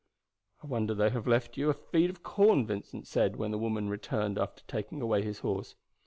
"I wonder they have left you a feed of corn," Vincent said, when the woman returned after taking away his horse.